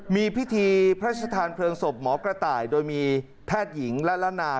มีพิธีพระชธานเพลิงศพหมอกระต่ายโดยมีแพทย์หญิงละละนา